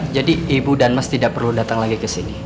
jadi ibu dan mas tidak perlu datang lagi ke sini